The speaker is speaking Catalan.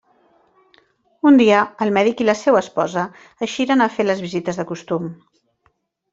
Un dia, el mèdic i la seua esposa eixiren a fer les visites de costum.